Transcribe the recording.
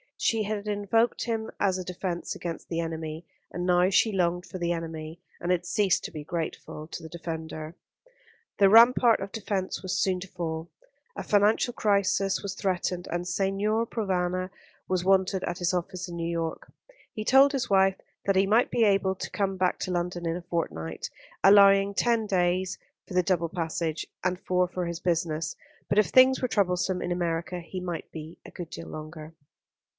She had invoked him as a defence against the enemy; and now she longed for the enemy, and had ceased to be grateful to the defender. The rampart of defence was soon to fall. A financial crisis was threatened, and Signor Provana was wanted at his office in New York. He told his wife that he might be able to come back to London in a fortnight, allowing ten days for the double passage, and four for his business; but if things were troublesome in America he might be a good deal longer.